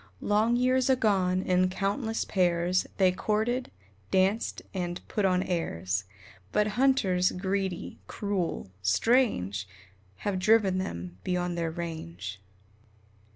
Long years agone, in countless pairs They courted, danced, and "put on airs," But hunters, greedy, cruel strange! Have driven them beyond their range.